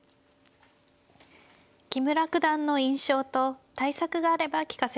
木村九段の印象と対策があれば聞かせてください。